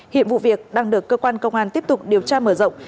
hiện vụ việc đang được cơ quan công an tiếp tục điều tra mở rộng